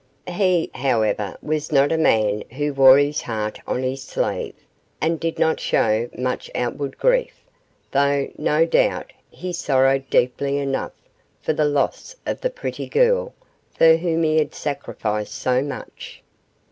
He, however, was not a man who wore his heart on his sleeve, and did not show much outward grief, though, no doubt, he sorrowed deeply enough for the loss of the pretty girl for whom he had sacrificed so much.